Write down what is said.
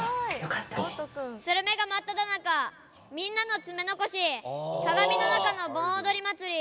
スルメがまっただ中みんなの爪残し鏡の中の盆踊り祭り